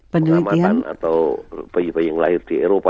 pengamatan atau bayi bayi yang lahir di eropa